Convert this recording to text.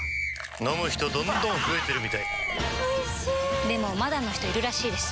飲む人どんどん増えてるみたいおいしでもまだの人いるらしいですよ